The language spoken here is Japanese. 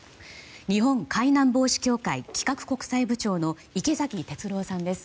日本海難防止協会企画国際部長の池嵜哲朗さんです。